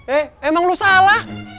eh emang lu salah